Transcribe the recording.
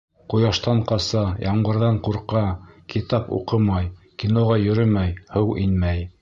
Ҡояштан ҡаса, ямғырҙан ҡурҡа, китап уҡымай, киноға йөрөмәй, һыу инмәй...